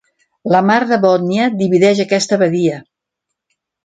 La Mar de Bòtnia divideix aquesta badia.